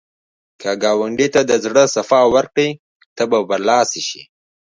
که ګاونډي ته د زړه صفا ورکړې، ته به برلاسی شې